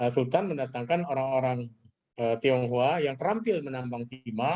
sultan mendatangkan orang orang tionghoa yang terampil menambang timah